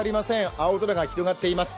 青空が広がっています。